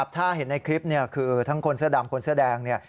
ถ้าเห็นในคลิปคือทั้งคนเสื้อดำคนเสื้อแดงเนี่ย